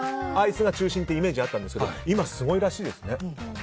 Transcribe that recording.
アイスが中心というイメージあったんですけど今はすごいらしいですね。